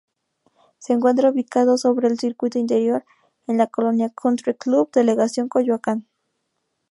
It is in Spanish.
Se encuentra ubicado sobre el Circuito Interior, en la colonia Country Club, Delegación Coyoacán.